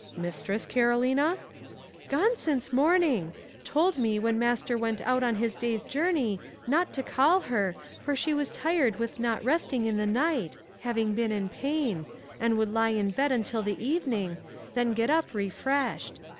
'Mistress, Carolina?' 'Gone since morning—told me, when master went out on his day's journey, not to call her, for she was tired with not resting in the night (having been in pain), and would lie in bed until the evening; then get up refreshed.